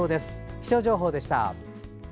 気象情報でした。